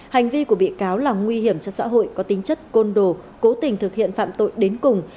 hành vi của bị cáo là nguy hiểm cho xã hội có tính chất côn đồ cố tình thực hiện phạm tội đến cùng